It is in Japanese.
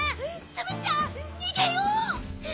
ツムちゃんにげよう！